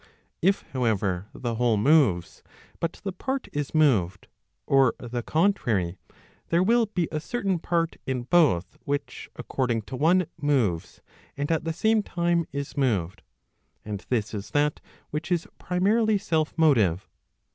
If however, the whole moves, but the part is moved, or the contrary, there will be a certain part in both which according to one, moves and at the same time is moved/ And this is that which is primarily self motive.